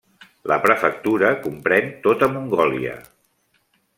La prefectura comprèn tota Mongòlia.